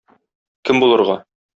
Кем булырга?